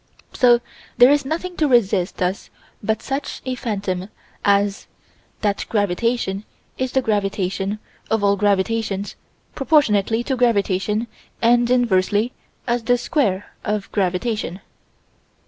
So there is nothing to resist us but such a phantom as that gravitation is the gravitation of all gravitations proportionately to gravitation and inversely as the square of gravitation.